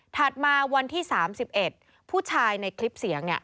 มาวันที่๓๑ผู้ชายในคลิปเสียง